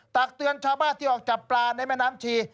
ตักเตือนชาวบ้านที่ออกจับปลาในแม่น้ำชี